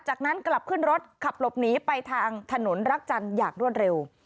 จากนั้นกลับขึ้นรถขับหลบหนีไปทางถนนรักจันทร์อย่างรวดเร็ว